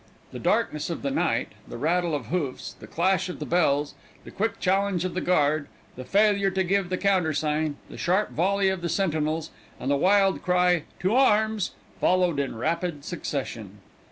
The darkness of the night, the rattle of hoofs, the clash of the bells, the quick challenge of the guard, the failure to give the countersign, the sharp volley of the sentinels, and the wild cry, "to arms," followed in rapid succession.